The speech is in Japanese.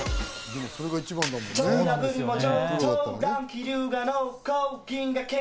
それが一番だもんね。